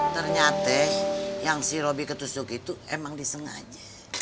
ternyata yang si roby ketusuk itu emang disengaja